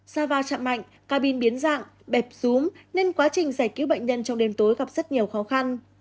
sao va chạm mạnh cabin biến dạng bẹp xuống nên quá trình giải cứu bệnh nhân trong đêm tối gặp rất nhiều khó khăn